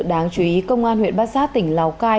đáng chú ý công an huyện bát sát tỉnh lào cai